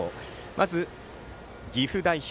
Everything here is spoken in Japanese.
まず岐阜代表